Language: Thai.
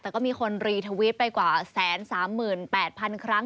แต่ก็มีคนรีทวิตไปกว่า๑๓๘๐๐๐ครั้ง